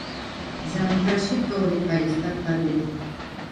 ზამთარში თოვლით არის დაფარული.